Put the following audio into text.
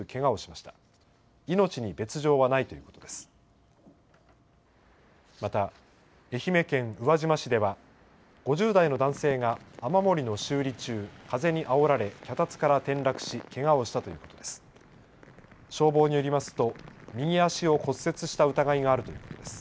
また愛媛県宇和島市では、５０代の男性が雨漏りの修理中、風にあおられ、脚立から転落し、けがをしたということです。